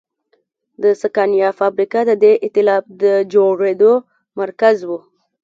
د سکانیا فابریکه د دې اېتلاف د جوړېدو مرکز و.